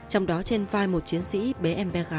trong đó trên vai một chiến sĩ bé em bé gái dân tộc thái